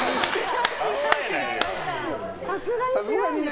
さすがに違うんですね。